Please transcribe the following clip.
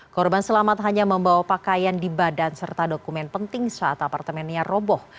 korban selamat hanya membawa pakaian di badan serta dokumen penting saat apartemennya roboh